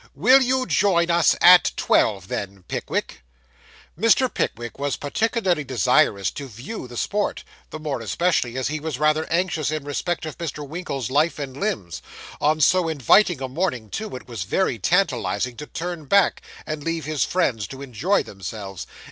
Will you join us at twelve, then, Pickwick?' Mr. Pickwick was particularly desirous to view the sport, the more especially as he was rather anxious in respect of Mr. Winkle's life and limbs. On so inviting a morning, too, it was very tantalising to turn back, and leave his friends to enjoy themselves.